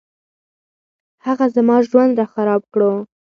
هغه زما ژوند راخراب کړو